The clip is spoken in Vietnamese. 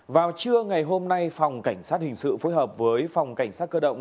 vào trưa ngày hôm nay phòng cảnh sát hình sự phối hợp với phòng cảnh sát cơ động